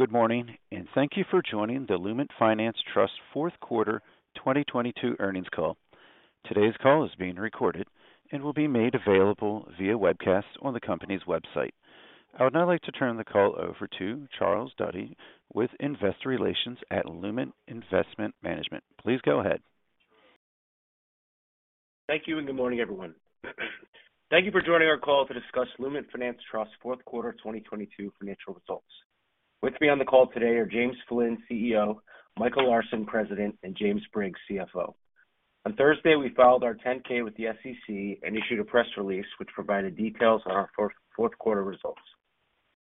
Good morning, and thank you for joining the Lument Finance Trust Fourth quarter 2022 Earnings Call. Today's call is being recorded and will be made available via webcast on the company's website. I would now like to turn the call over to Charles Duddy with Investor Relations at Lument Investment Management. Please go ahead. Thank you, good morning, everyone. Thank you for joining our call to discuss Lument Finance Trust Fourth Quarter 2022 Financial Results. With me on the call today are James Flynn, CEO, Michael Larsen, President, and James Briggs, CFO. On Thursday, we filed our 10-K with the SEC and issued a press release which provided details on our four-fourth quarter results.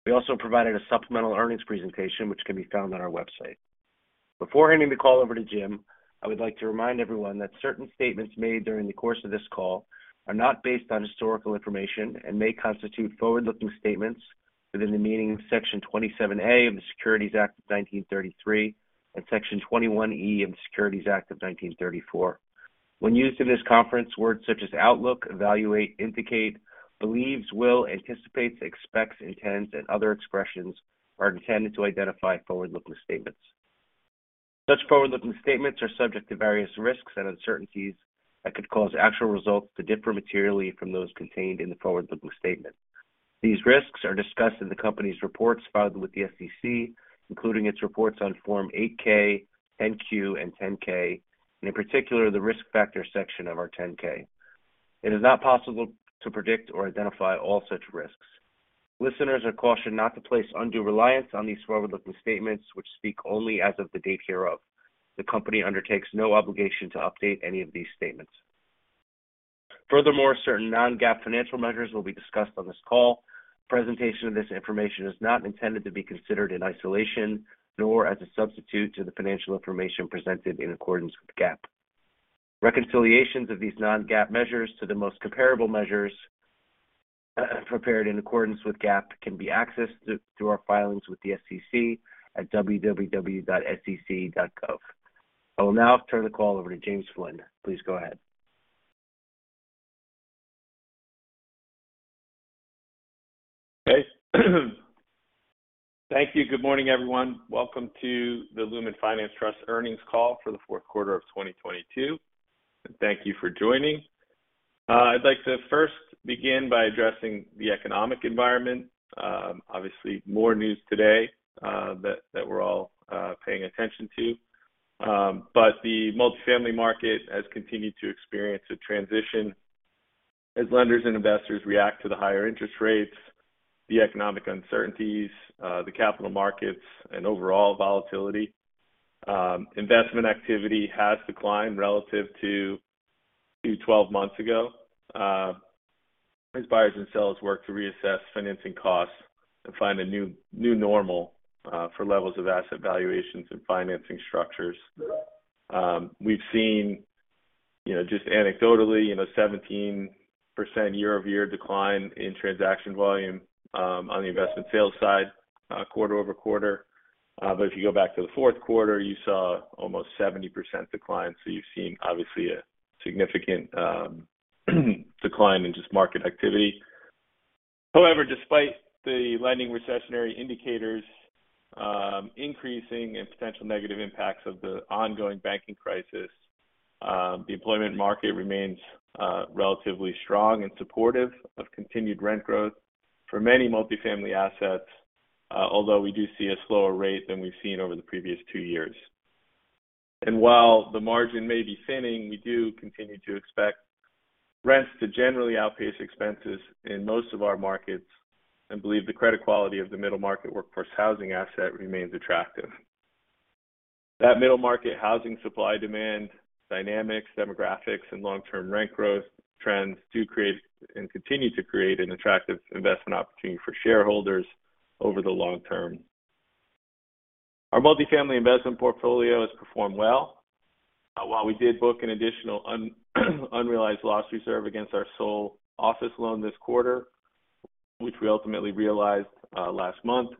We also provided a supplemental earnings presentation which can be found on our website. Before handing the call over to Jim, I would like to remind everyone that certain statements made during the course of this call are not based on historical information and may constitute forward-looking statements within the meaning of Section 27A of the Securities Act of 1933 and Section 21E of the Securities Exchange Act of 1934. When used in this conference, words such as outlook, evaluate, indicate, believes, will, anticipates, expects, intends, and other expressions are intended to identify forward-looking statements. Such forward-looking statements are subject to various risks and uncertainties that could cause actual results to differ materially from those contained in the forward-looking statement. These risks are discussed in the company's reports filed with the SEC, including its reports on Form 8-K, 10-Q, and 10-K, and in particular, the risk factors section of our 10-K. It is not possible to predict or identify all such risks. Listeners are cautioned not to place undue reliance on these forward-looking statements, which speak only as of the date hereof. The company undertakes no obligation to update any of these statements. Furthermore, certain non-GAAP financial measures will be discussed on this call. Presentation of this information is not intended to be considered in isolation, nor as a substitute to the financial information presented in accordance with GAAP. Reconciliations of these non-GAAP measures to the most comparable measures, prepared in accordance with GAAP can be accessed through our filings with the SEC at www.sec.gov. I will now turn the call over to James Flynn. Please go ahead. Okay. Thank you. Good morning, everyone. Welcome to the Lument Finance Trust earnings call for the fourth quarter of 2022. Thank you for joining. I'd like to first begin by addressing the economic environment. obviously, more news today, that we're all paying attention to. The multifamily market has continued to experience a transition as lenders and investors react to the higher interest rates, the economic uncertainties, the capital markets, and overall volatility. Investment activity has declined relative to 12 months ago as buyers and sellers work to reassess financing costs and find a new normal for levels of asset valuations and financing structures. We've seen, you know, just anecdotally, you know, 17% year-over-year decline in transaction volume on the investment sales side, quarter-over-quarter. If you go back to the fourth quarter, you saw almost 70% decline. You've seen obviously a significant decline in just market activity. However, despite the lending recessionary indicators increasing and potential negative impacts of the ongoing banking crisis, the employment market remains relatively strong and supportive of continued rent growth for many multifamily assets, although we do see a slower rate than we've seen over the previous two years. While the margin may be thinning, we do continue to expect rents to generally outpace expenses in most of our markets and believe the credit quality of the middle market workforce housing asset remains attractive. That middle market housing supply-demand dynamics, demographics, and long-term rent growth trends do create and continue to create an attractive investment opportunity for shareholders over the long term. Our multifamily investment portfolio has performed well. While we did book an additional unrealized loss reserve against our sole office loan this quarter, which we ultimately realized last month,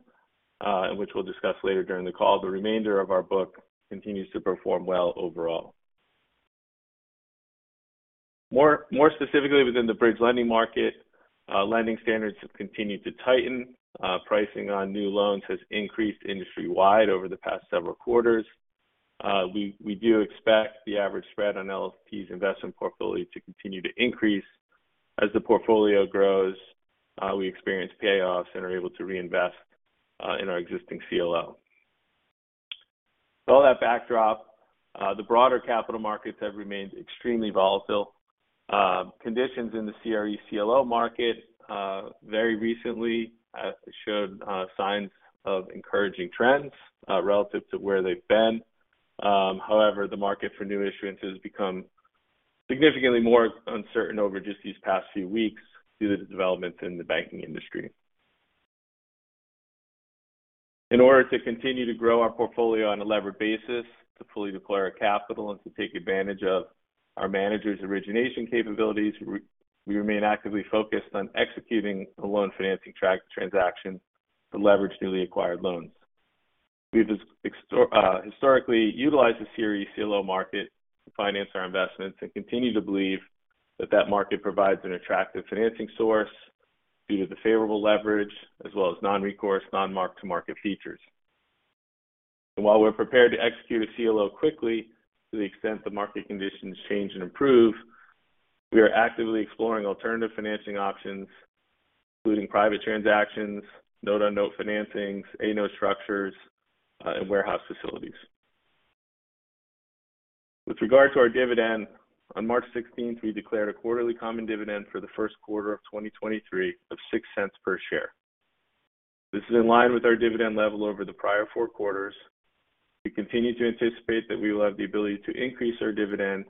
and which we'll discuss later during the call, the remainder of our book continues to perform well overall. More specifically within the bridge lending market, lending standards have continued to tighten. Pricing on new loans has increased industry-wide over the past several quarters. We do expect the average spread on LFT's investment portfolio to continue to increase. As the portfolio grows, we experience payoffs and are able to reinvest in our existing CLO. With all that backdrop, the broader capital markets have remained extremely volatile. Conditions in the CRE CLO market very recently showed signs of encouraging trends relative to where they've been. However, the market for new issuance has become significantly more uncertain over just these past few weeks due to the developments in the banking industry. In order to continue to grow our portfolio on a levered basis, to fully deploy our capital, and to take advantage of our managers' origination capabilities, we remain actively focused on executing a loan financing track transaction to leverage newly acquired loans. We've historically utilized the CRE CLO market to finance our investments and continue to believe that market provides an attractive financing source due to the favorable leverage as well as non-recourse, non-mark-to-market features. While we're prepared to execute a CLO quickly to the extent the market conditions change and improve, we are actively exploring alternative financing options, including private transactions, note-on-note financings, A note structures, and warehouse facilities. With regard to our dividend, on 16th March we declared a quarterly common dividend for the first quarter of 2023 of $0.06 per share. This is in line with our dividend level over the prior four quarters. We continue to anticipate that we will have the ability to increase our dividend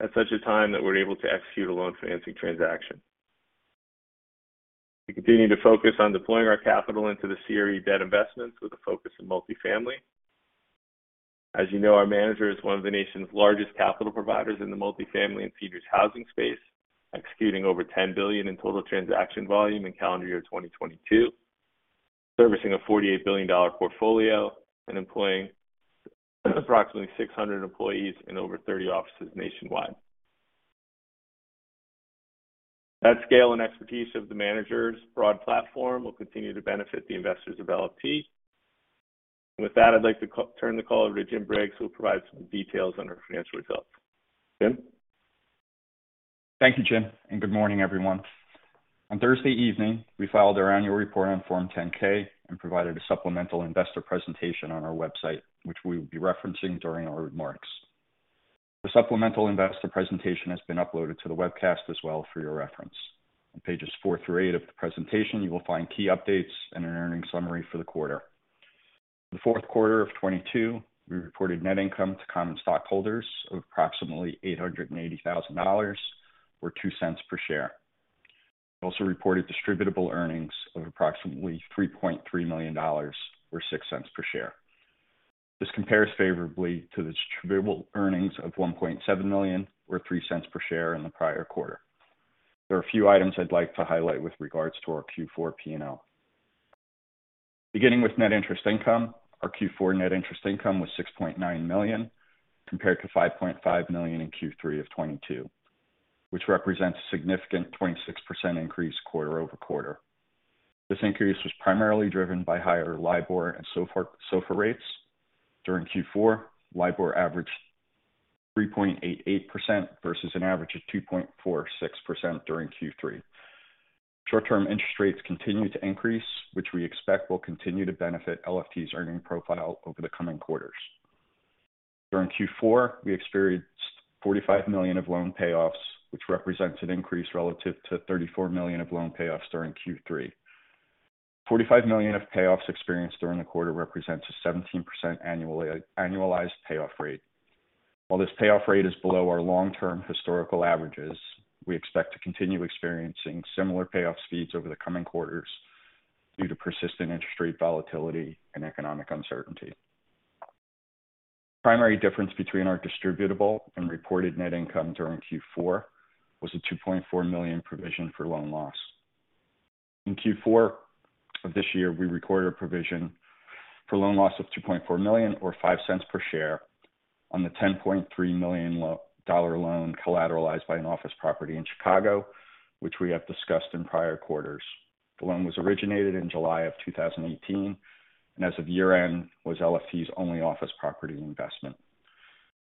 at such a time that we're able to execute a loan financing transaction. We continue to focus on deploying our capital into the CRE debt investments with a focus on multifamily. As you know, our manager is one of the nation's largest capital providers in the multifamily and seniors housing space, executing over $10 billion in total transaction volume in calendar year 2022, servicing a $48 billion portfolio and employing approximately 600 employees in over 30 offices nationwide. That scale and expertise of the manager's broad platform will continue to benefit the investors of LFT. With that, I'd like to turn the call over to Jim Briggs, who will provide some details on our financial results. Jim. Thank you, James. Good morning, everyone. On Thursday evening, we filed our annual report on Form 10-K and provided a supplemental investor presentation on our website, which we will be referencing during our remarks. The supplemental investor presentation has been uploaded to the webcast as well for your reference. On pages four through eight of the presentation, you will find key updates and an earnings summary for the quarter. The fourth quarter of 2022, we reported net income to common stockholders of approximately $880,000 or $0.02 per share. We also reported Distributable Earnings of approximately $3.3 million or $0.06 per share. This compares favorably to the Distributable Earnings of $1.7 million or $0.03 per share in the prior quarter. There are a few items I'd like to highlight with regards to our Q4 P&L. Beginning with net interest income, our Q4 net interest income was $6.9 million, compared to $5.5 million in Q3 of 2022, which represents a significant 26% increase quarter-over-quarter. This increase was primarily driven by higher LIBOR and SOFR rates. During Q4, LIBOR averaged 3.88% versus an average of 2.46% during Q3. Short-term interest rates continue to increase, which we expect will continue to benefit LFT's earning profile over the coming quarters. During Q4, we experienced $45 million of loan payoffs, which represents an increase relative to $34 million of loan payoffs during Q3. $45 million of payoffs experienced during the quarter represents a 17% annually annualized payoff rate. While this payoff rate is below our long-term historical averages, we expect to continue experiencing similar payoff speeds over the coming quarters due to persistent interest rate volatility and economic uncertainty. The primary difference between our distributable and reported net income during Q4 was a $2.4 million provision for loan loss. In Q4 of this year, we recorded a provision for loan loss of $2.4 million or $0.05 per share on the $10.3 million dollar loan collateralized by an office property in Chicago, which we have discussed in prior quarters. The loan was originated in July of 2018, and as of year end, was LFT's only office property investment.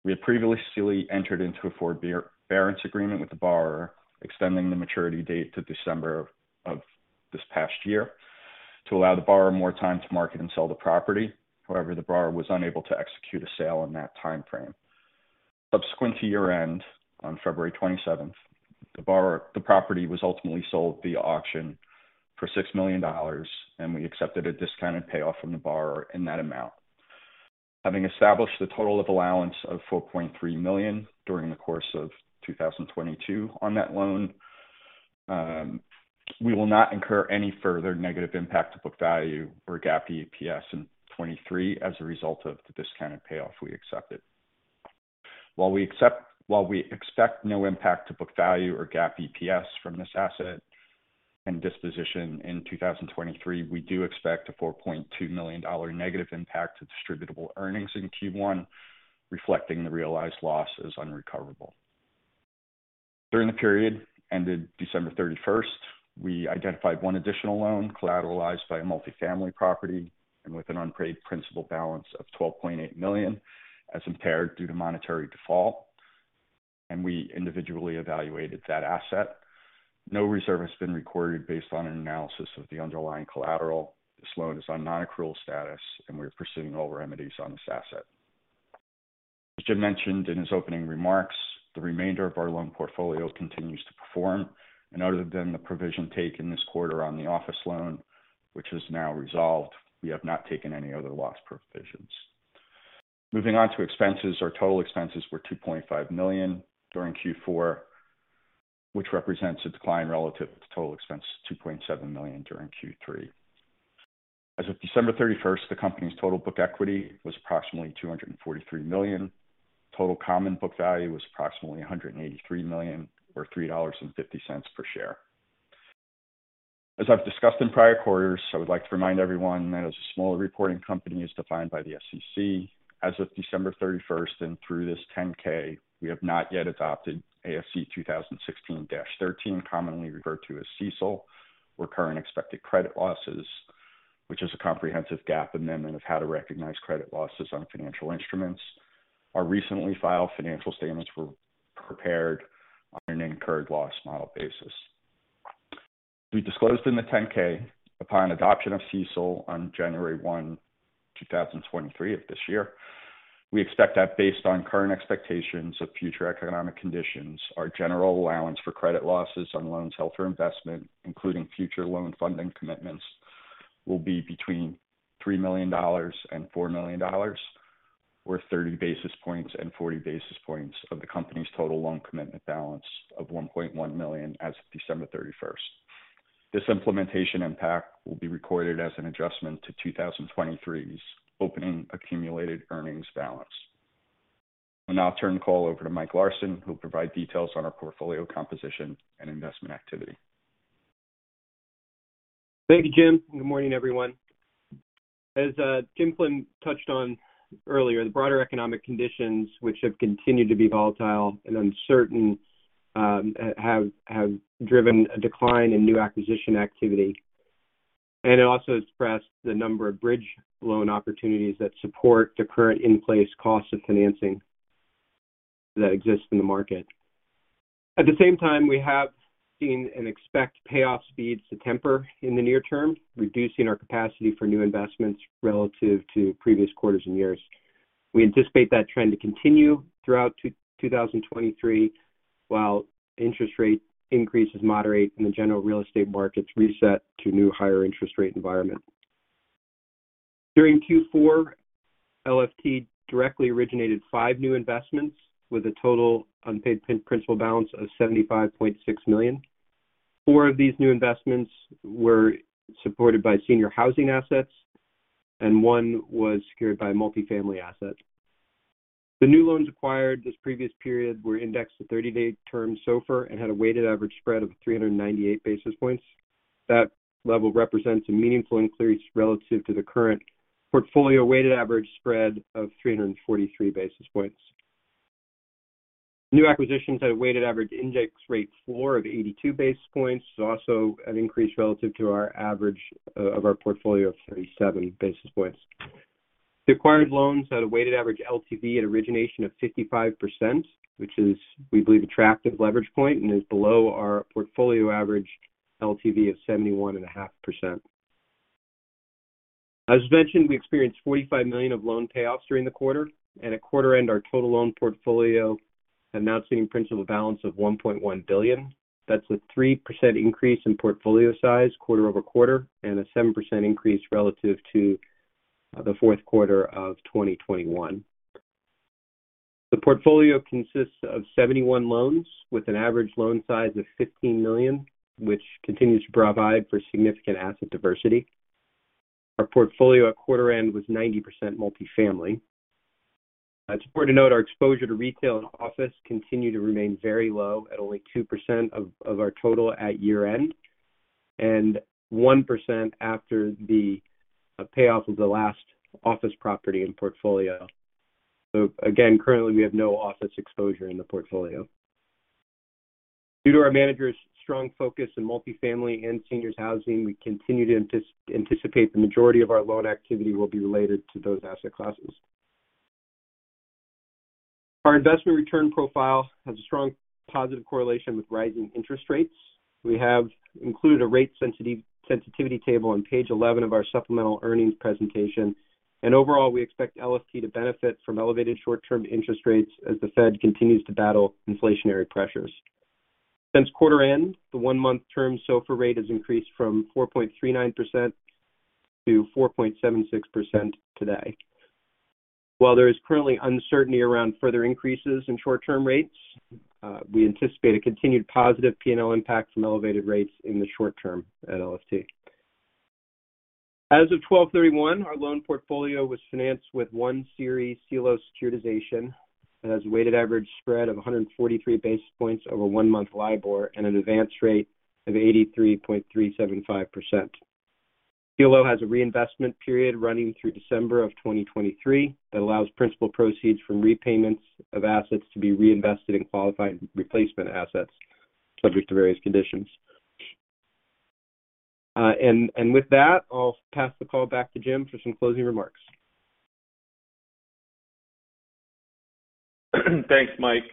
We had previously entered into a forbearance agreement with the borrower, extending the maturity date to December 2022 to allow the borrower more time to market and sell the property. The borrower was unable to execute a sale in that timeframe. Subsequent to year-end, on 27th February the property was ultimately sold via auction for $6 million, and we accepted a discounted payoff from the borrower in that amount. Having established a total of allowance of $4.3 million during the course of 2022 on that loan, we will not incur any further negative impact to book value or GAAP EPS in 2023 as a result of the discounted payoff we accepted. While we expect no impact to book value or GAAP EPS from this asset and disposition in 2023, we do expect a $4.2 million negative impact to Distributable Earnings in Q1, reflecting the realized loss as unrecoverable. During the period ended 31st December we identified one additional loan collateralized by a multifamily property and with an unpaid principal balance of $12.8 million as impaired due to monetary default, and we individually evaluated that asset. No reserve has been recorded based on an analysis of the underlying collateral. This loan is on non-accrual status. We are pursuing all remedies on this asset. As Jim mentioned in his opening remarks, the remainder of our loan portfolio continues to perform. Other than the provision taken this quarter on the office loan, which is now resolved, we have not taken any other loss provisions. Moving on to expenses, our total expenses were $2.5 million during Q4, which represents a decline relative to total expense of $2.7 million during Q3. As of 31st December the company's total book equity was approximately $243 million. Total common book value was approximately $183 million or $3.50 per share. As I've discussed in prior quarters, I would like to remind everyone that as a smaller reporting company as defined by the SEC, as of 31st December and through this 10-K, we have not yet adopted ASU 2016-13, commonly referred to as CECL, or Current Expected Credit Losses, which is a comprehensive GAAP amendment of how to recognize credit losses on financial instruments. Our recently filed financial statements were prepared on an incurred loss model basis. We disclosed in the 10-K upon adoption of CECL on 1 January 2023 of this year. We expect that based on current expectations of future economic conditions, our general allowance for credit losses on loans held for investment, including future loan funding commitments, will be between $3 million and $4 million, or 30 basis points and 40 basis points of the company's total loan commitment balance of $1.1 million as of 31st December. This implementation impact will be recorded as an adjustment to 2023's opening accumulated earnings balance. I'll now turn the call over to Mike Larsen, who'll provide details on our portfolio composition and investment activity. Thank you, Jim, and good morning, everyone. As Jim Flynn touched on earlier, the broader economic conditions which have continued to be volatile and uncertain, have driven a decline in new acquisition activity. It also expressed the number of bridge loan opportunities that support the current in-place cost of financing that exists in the market. At the same time, we have seen and expect payoff speeds to temper in the near term, reducing our capacity for new investments relative to previous quarters and years. We anticipate that trend to continue throughout 2023, while interest rate increases moderate and the general real estate markets reset to new higher interest rate environment. During Q4, LFT directly originated five new investments with a total unpaid principal balance of $75.6 million. Four of these new investments were supported by senior housing assets. One was secured by multifamily asset. The new loans acquired this previous period were indexed to 30 Day Term SOFR and had a weighted average spread of 398 basis points. That level represents a meaningful increase relative to the current portfolio weighted average spread of 343 basis points. New acquisitions had a weighted average index rate floor of 82 basis points. This is also an increase relative to our average of our portfolio of 37 basis points. The acquired loans had a weighted average LTV at origination of 55%, which is, we believe, attractive leverage point and is below our portfolio average LTV of 71.5%. As mentioned, we experienced $45 million of loan payoffs during the quarter and at quarter end, our total loan portfolio announcing principal balance of $1.1 billion. That's a 3% increase in portfolio size quarter-over-quarter and a 7% increase relative to the fourth quarter of 2021. The portfolio consists of 71 loans with an average loan size of $15 million, which continues to provide for significant asset diversity. Our portfolio at quarter end was 90% multifamily. It's important to note our exposure to retail and office continue to remain very low at only 2% of our total at year-end and 1% after the payoff of the last office property and portfolio. Again, currently we have no office exposure in the portfolio. Due to our managers' strong focus in multifamily and seniors housing, we continue to anticipate the majority of our loan activity will be related to those asset classes. Our investment return profile has a strong positive correlation with rising interest rates. We have included a rate sensitivity table on page 11 of our supplemental earnings presentation. Overall, we expect LFT to benefit from elevated short-term interest rates as the Fed continues to battle inflationary pressures. Since quarter end, the one month Term SOFR rate has increased from 4.39% to 4.76% today. While there is currently uncertainty around further increases in short-term rates, we anticipate a continued positive P&L impact from elevated rates in the short term at LFT. As of 12/31, our loan portfolio was financed with one series CLO securitization that has a weighted average spread of 143 basis points over one month LIBOR and an advance rate of 83.375%. CLO has a reinvestment period running through December of 2023 that allows principal proceeds from repayments of assets to be reinvested in qualified replacement assets subject to various conditions. With that, I'll pass the call back to Jim for some closing remarks. Thanks, Mike.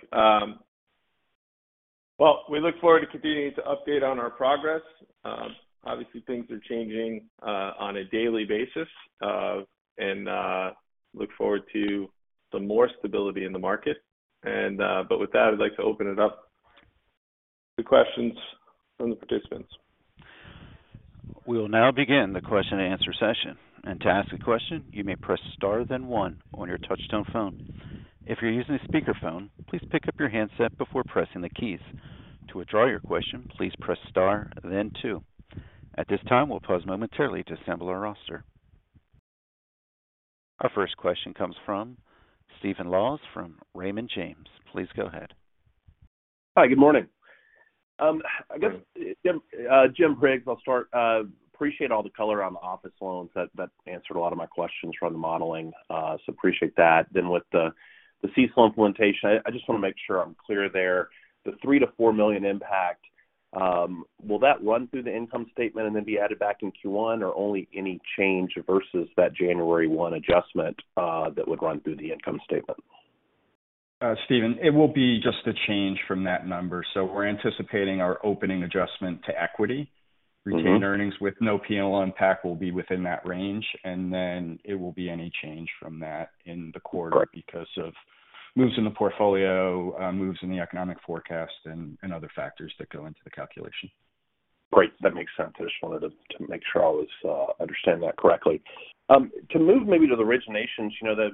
Well, we look forward to continuing to update on our progress. Obviously things are changing on a daily basis, and look forward to some more stability in the market. With that, I'd like to open it up to questions from the participants. We will now begin the question-and-answer session. To ask a question, you may press star then one on your touch-tone phone. If you're using a speakerphone, please pick up your handset before pressing the keys. To withdraw your question, please press star then two. At this time, we'll pause momentarily to assemble our roster. Our first question comes from Stephen Laws from Raymond James. Please go ahead. Hi, good morning. I guess, Jim Briggs, I'll start. Appreciate all the color on the office loans. That answered a lot of my questions around the modeling, appreciate that. With the CECL implementation, I just wanna make sure I'm clear there. The $3 million to $4 million impact, will that run through the income statement and then be added back in Q1, or only any change versus that 1 January adjustment that would run through the income statement? Stephen, it will be just a change from that number. We're anticipating our opening adjustment to equity retained earnings with no P&L impact will be within that range. Then it will be any change from that in the quarter. Right because of moves in the portfolio, moves in the economic forecast and other factors that go into the calculation. Great. That makes sense. I just wanted to make sure I was understanding that correctly. To move maybe to the originations, you know, the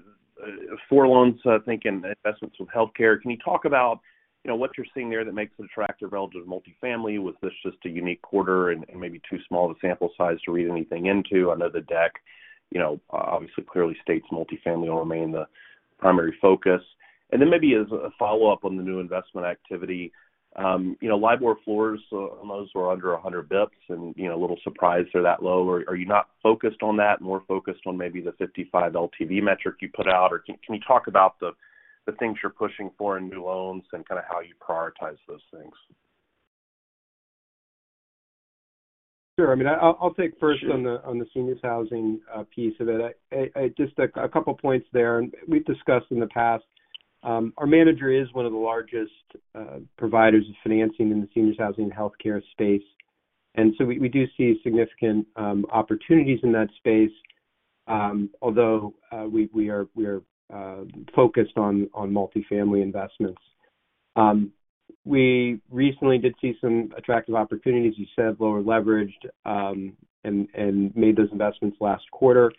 four loans, I think, in investments with healthcare. Can you talk about, you know, what you're seeing there that makes it attractive relative to multifamily? Was this just a unique quarter and maybe too small of a sample size to read anything into? I know the deck, you know, obviously clearly states multifamily will remain the primary focus. Maybe as a follow-up on the new investment activity, you know, LIBOR floors on those were under 100 basis points and, you know, a little surprised they're that low. Are you not focused on that, more focused on maybe the 55 LTV metric you put out? Can you talk about the things you're pushing for in new loans and kind of how you prioritize those things? Sure. I mean, I'll take first on the Sure On the seniors housing piece of it. Just a couple points there. We've discussed in the past, our manager is one of the largest providers of financing in the seniors housing healthcare space. We do see significant opportunities in that space, although we are focused on multifamily investments. We recently did see some attractive opportunities, as you said, lower leveraged, and made those investments last quarter.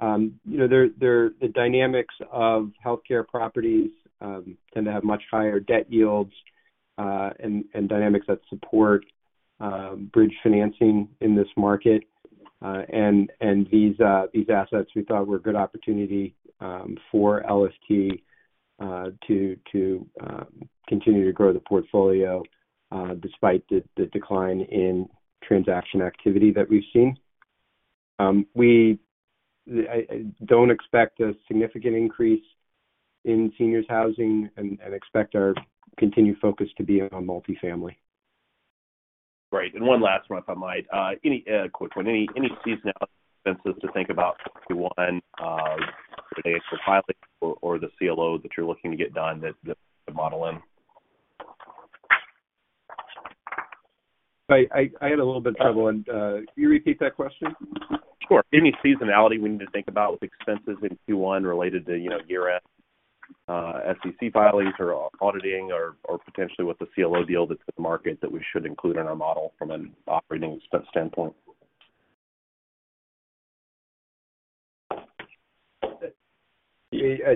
You know, the dynamics of healthcare properties tend to have much higher debt yields and dynamics that support bridge financing in this market. These assets we thought were a good opportunity for LFT to continue to grow the portfolio despite the decline in transaction activity that we've seen. I don't expect a significant increase in seniors housing and expect our continued focus to be on multifamily. Great. One last one, if I might. A quick one. Any seasonality expenses to think about Q1, related to filings or the CLO that you're looking to get done that model in? I had a little bit of trouble. Can you repeat that question? Sure. Any seasonality we need to think about with expenses in Q1 related to, you know, year-end, SEC filings or auditing or potentially with the CLO deal that's in the market that we should include in our model from an operating standpoint?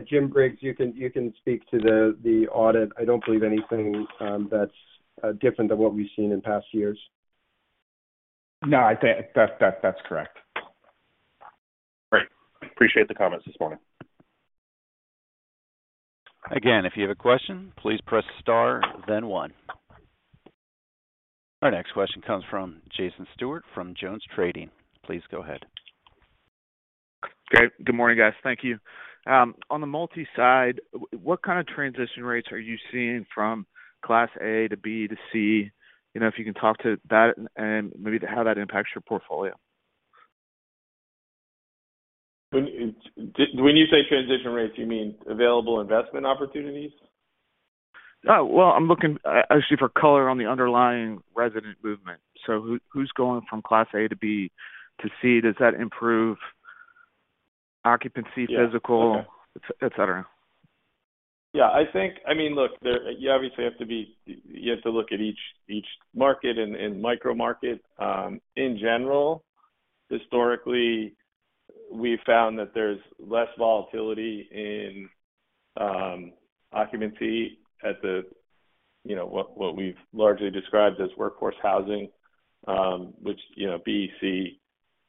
Jim Briggs, you can speak to the audit. I don't believe anything, that's different than what we've seen in past years. No, I think that's correct. Great. Appreciate the comments this morning. If you have a question, please press star then one. Our next question comes from Jason Stewart from JonesTrading. Please go ahead. Great. Good morning, guys. Thank you. On the multi side, what kind of transition rates are you seeing from Class A to B to C? You know, if you can talk to that and maybe how that impacts your portfolio. When you say transition rates, you mean available investment opportunities? No. Well, I'm looking actually for color on the underlying resident movement. Who's going from Class A to B to C? Does that improve occupancy- Yeah. Okay. physical, et cetera? Yeah. I think I mean, look, you obviously have to look at each market and micro-market. In general, historically, we found that there's less volatility in occupancy at the, you know, what we've largely described as workforce housing, which, you know, B, C,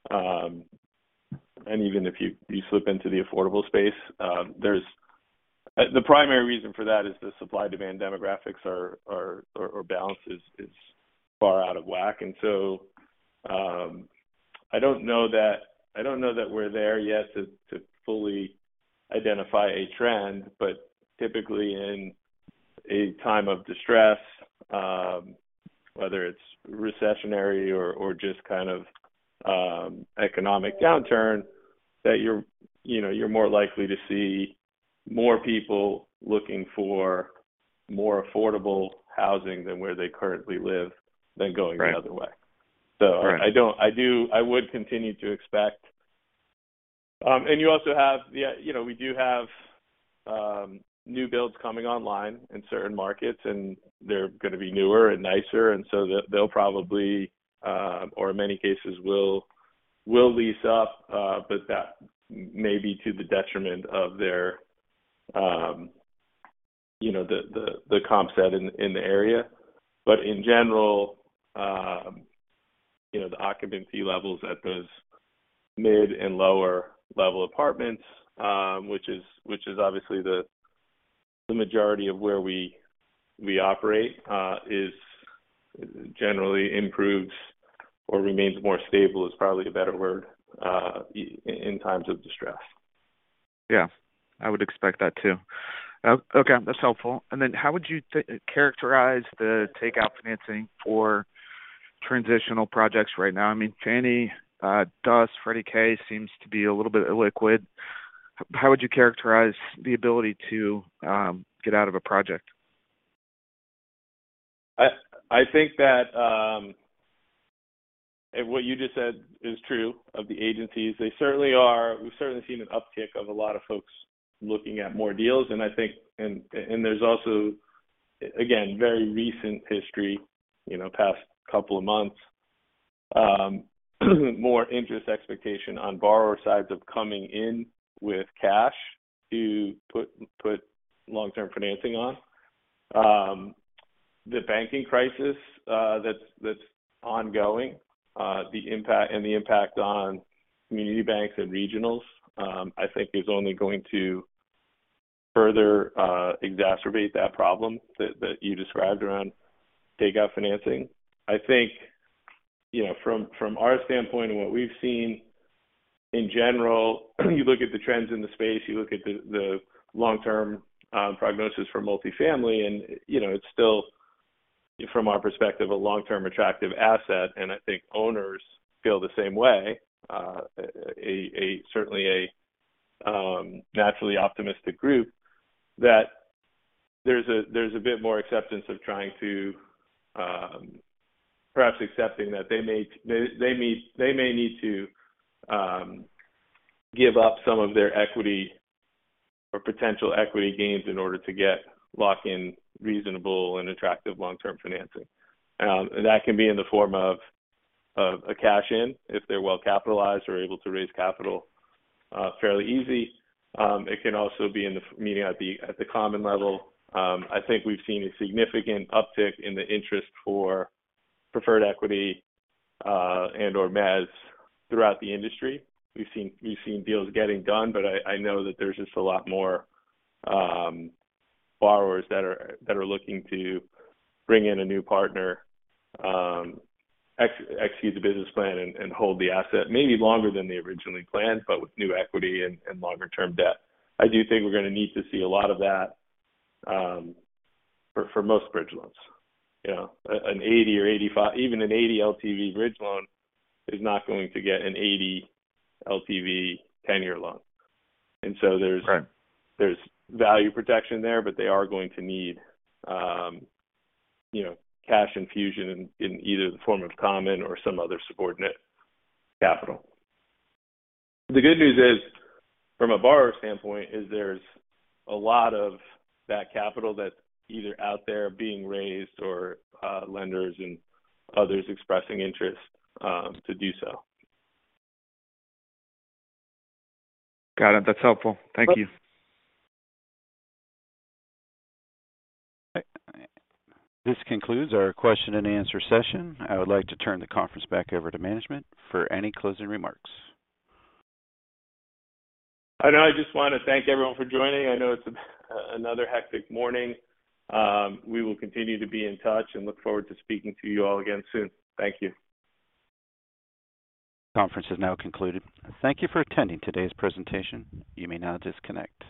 and even if you slip into the affordable space. The primary reason for that is the supply-demand demographics are balanced. It's far out of whack. I don't know that we're there yet to fully identify a trend. Typically, in a time of distress, whether it's recessionary or just kind of economic downturn, that you're, you know, you're more likely to see more people looking for more affordable housing than where they currently live. Right The other way. Right. I would continue to expect. Yeah, you know, we do have new builds coming online in certain markets, and they're gonna be newer and nicer, and so they'll probably or in many cases will lease up, but that may be to the detriment of their. You know, the comp set in the area. In general, you know, the occupancy levels at those mid and lower level apartments, which is obviously the majority of where we operate, is generally improves or remains more stable, is probably a better word, in times of distress. Yeah, I would expect that too. Okay, that's helpful. Then how would you characterize the takeout financing for transitional projects right now? I mean, Fannie does. Freddie K seems to be a little bit illiquid. How would you characterize the ability to get out of a project? I think that what you just said is true of the agencies. We've certainly seen an uptick of a lot of folks looking at more deals. I think. There's also, again, very recent history, you know, past couple of months, more interest expectation on borrower sides of coming in with cash to put long-term financing on. The banking crisis that's ongoing, and the impact on community banks and regionals, I think is only going to further exacerbate that problem that you described around takeout financing. I think, you know, from our standpoint and what we've seen in general, you look at the trends in the space, you look at the long-term prognosis for multifamily, and, you know, it's still, from our perspective, a long-term attractive asset. I think owners feel the same way, certainly a naturally optimistic group, that there's a, there's a bit more acceptance of trying to perhaps accepting that they may need to give up some of their equity or potential equity gains in order to lock in reasonable and attractive long-term financing. That can be in the form of a cash in if they're well capitalized or able to raise capital fairly easy. It can also be meaning at the common level. I think we've seen a significant uptick in the interest for preferred equity and/or Mezz throughout the industry. We've seen deals getting done, but I know that there's just a lot more borrowers that are looking to bring in a new partner, execute the business plan and hold the asset maybe longer than they originally planned, but with new equity and longer term debt. I do think we're gonna need to see a lot of that, for most bridge loans. You know, an 80 or even an 80 LTV bridge loan is not going to get an 80 LTV 10-year loan. So there's Right. There's value protection there, but they are going to need, you know, cash infusion in either the form of common or some other subordinate capital. The good news is, from a borrower standpoint, is there's a lot of that capital that's either out there being raised or lenders and others expressing interest to do so. Got it. That's helpful. Thank you. This concludes our question-and-answer session. I would like to turn the conference back over to management for any closing remarks. I just wanna thank everyone for joining. I know it's another hectic morning. We will continue to be in touch, and look forward to speaking to you all again soon. Thank you. Conference is now concluded. Thank you for attending today's presentation. You may now disconnect.